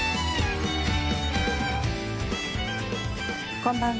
こんばんは。